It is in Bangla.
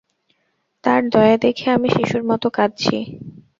তাঁর দয়া দেখে আমি শিশুর মত কাঁদছি।